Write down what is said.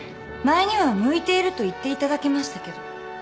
前には向いていると言っていただけましたけど。